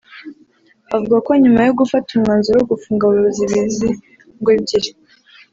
Avuga ko nyuma yo gufata umwanzuro wo gufunga abayobozi b’izi ngo ebyiri